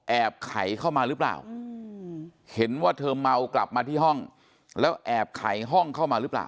ไขเข้ามาหรือเปล่าเห็นว่าเธอเมากลับมาที่ห้องแล้วแอบไขห้องเข้ามาหรือเปล่า